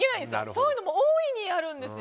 そういうのも大いにやるんです。